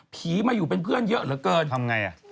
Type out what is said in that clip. ผีมาอยู่เป็นเพื่อนเยอะเหลือเกิน